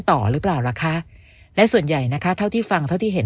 ต่อหรือเปล่าล่ะคะและส่วนใหญ่นะคะเท่าที่ฟังเท่าที่เห็น